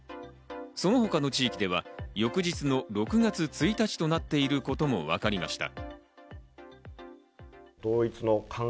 その他の地域では翌日の６月１日となっていることもわかりました。